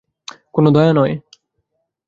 কোন দয়া নয়!